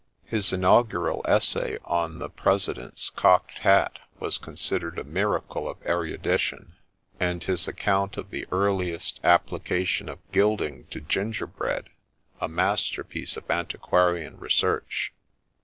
His inaugural essay on the Presi dent's cocked hat was considered a miracle of erudition : and his account of the earliest application of gilding to gingerbread, a masterpiece of antiquarian research.